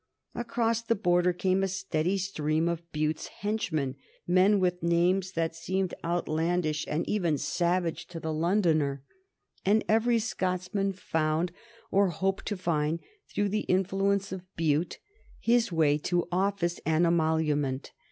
Across the Border came a steady stream of Bute's henchmen, men with names that seemed outlandish and even savage to the Londoner, and every Scotchman found, or hoped to find, through the influence of Bute his way to office and emolument.